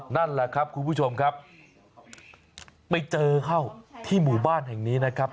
นั่นแหละครับคุณผู้ชมครับไปเจอเข้าที่หมู่บ้านแห่งนี้นะครับ